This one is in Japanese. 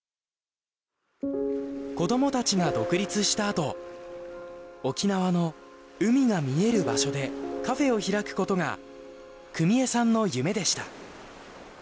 子どもたちが独立したあと沖縄の海が見える場所でカフェを開くことが久美江さんの夢でした。